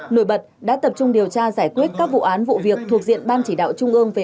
nổi bật đã tập trung điều tra giải quyết các vụ án vụ việc thuộc diện ban chỉ đạo trung ương về